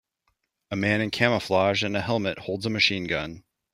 A man in camouflage and a helmet holds a machine gun.